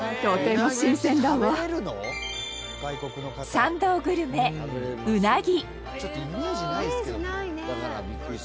参道グルメうなぎ。